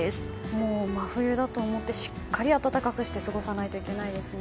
もう真冬だと思ってしっかり暖かくして過ごさないといけないんですね。